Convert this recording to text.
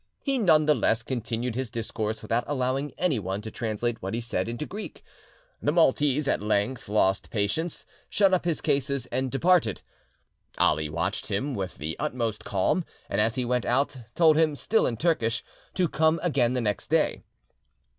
He none the less continued his discourse without allowing anyone to translate what he said into Greek. The Maltese at length lost patience, shut up his cases, and departed. Ali watched him with the utmost calm, and as he went out told him, still in Turkish, to come again the next day.